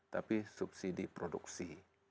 tapi subsidi produksi